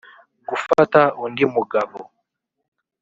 gufata undi mugabo